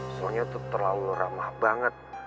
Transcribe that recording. soalnya tuh terlalu ramah banget